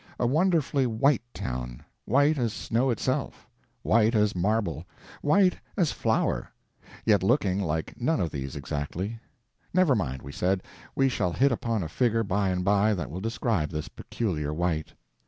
A wonderfully white town; white as snow itself. White as marble; white as flour. Yet looking like none of these, exactly. Never mind, we said; we shall hit upon a figure by and by that will describe this peculiar white.